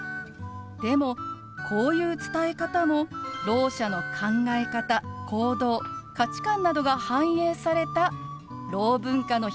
でもこういう伝え方もろう者の考え方・行動・価値観などが反映されたろう文化の一つなんですよ。